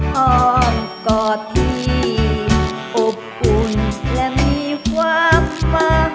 พร้อมกอดที่อบอุ่นและมีความประหาย